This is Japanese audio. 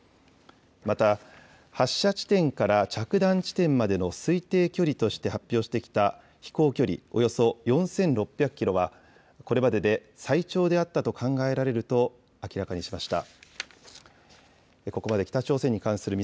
また、発射地点から着弾地点までの推定距離として発表してきた飛行距離およそ４６００キロは、これまでで最長であったと考えられると明らかにしました。